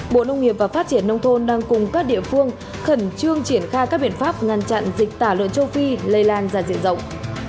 bộ nông nghiệp và phát triển nông thôn đang cùng các địa phương khẩn trương triển khai các biện pháp ngăn chặn dịch tả lợn châu phi lây lan ra diện rộng